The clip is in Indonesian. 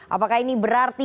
apakah ini berarti